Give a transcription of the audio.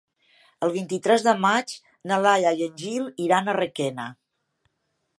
El vint-i-tres de maig na Laia i en Gil iran a Requena.